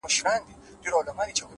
زړورتیا د وېرو د ماتولو لومړی ګام دی,